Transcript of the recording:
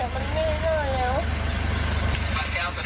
เสียงไม่รู้ทำเสียงมันนี่แล้ว